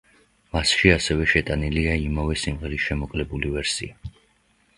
მასში ასევე შეტანილია იმავე სიმღერის შემოკლებული ვერსია.